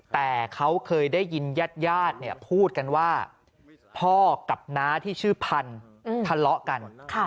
แต่เขาเคยได้ยินญาติญาติพูดกันว่าพ่อกับน้าที่ชื่อพันธุ์ทะเลาะกัน